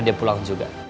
dia pulang juga